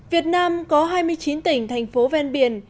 việt nam có hai mươi chín tỉnh thành phố ven biển